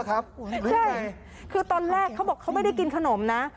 ใช่คือตอนแรกเขาบอกเขาไม่ได้กินขนมนะ